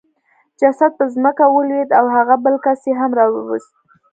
جسد په ځمکه ولوېد او هغه بل کس یې هم راوست